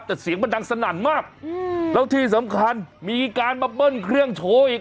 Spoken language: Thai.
แต่เสียงมันดังสนั่นมากแล้วที่สำคัญมีการมาเบิ้ลเครื่องโชว์อีก